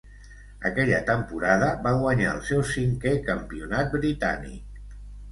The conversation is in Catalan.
Aquella temporada va guanyar el seu cinquè Campionat Britànic.